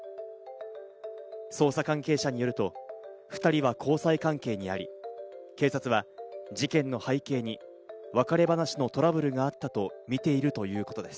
捜査関係者によると、２人は交際関係にあり、警察は事件の背景に、別れ話のトラブルがあったとみているということです。